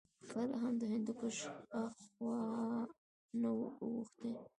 کله هم د هندوکش هاخوا نه وو اوښتي